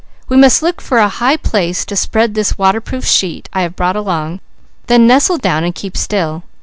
We must look for a high place to spread this waterproof sheet I have brought along, then nestle down and keep still.